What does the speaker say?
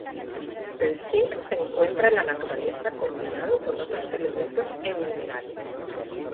El cinc se encuentra en la naturaleza combinado con otros elementos en minerales.